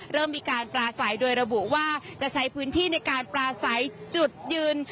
เริ่มมีการปลาใสโดยระบุว่าจะใช้พื้นที่ในการปลาใสจุดยืน